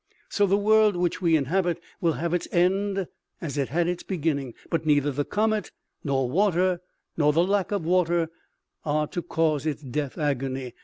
So the world which we inhabit will have its end as it has had its beginning, but neither the comet, nor water, nor the lack of water are to cause its death agony.